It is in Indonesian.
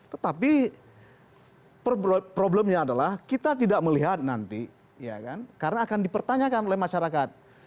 tetapi problemnya adalah kita tidak melihat nanti karena akan dipertanyakan oleh masyarakat